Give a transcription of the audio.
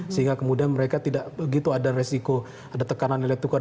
sehingga kemudian mereka tidak begitu ada resiko ada tekanan nilai tukar